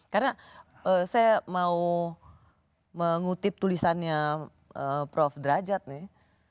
karena saya mau mengutip tulisannya prof drajat nih